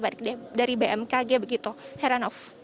baik dari bmkg begitu heran of